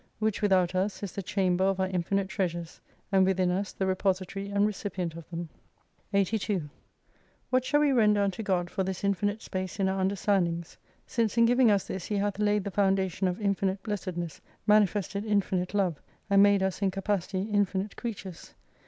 Which without us is the chamber of our infinite treasures, and within us the repository and recipient of them. 82 What shall we render unto God for this infinite space in our understandings ? Since in giving us this He hath laid the foundation of infinite blessedness, manifested infinite love, and made us in capacity infinite creatures.